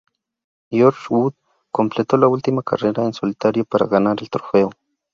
George Wood completó la última carrera en solitario para ganar el trofeo.